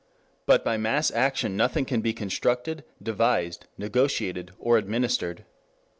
But by mass action nothing can be constructed, devised, negotiated, or administered.